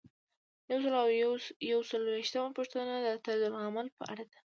یو سل او یو څلویښتمه پوښتنه د طرزالعمل په اړه ده.